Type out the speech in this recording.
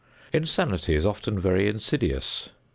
Insanity is often very insidious.